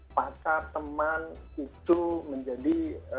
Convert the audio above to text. pakar teman itu menjadi